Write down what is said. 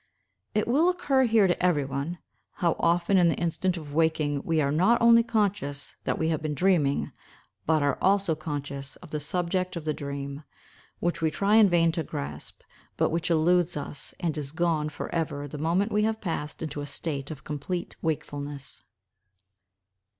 It will occur here to every one, how often in the instant of waking we are not only conscious that we have been dreaming, but are also conscious of the subject of the dream, which we try in vain to grasp, but which eludes us, and is gone for ever the moment we have passed into a state of complete wakefulness.